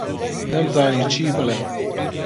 نەمزانی چی بڵێم.